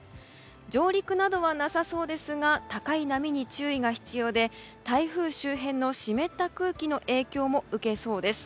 上陸などはなさそうですが高い波に注意が必要で台風周辺の湿った空気の影響も受けそうです。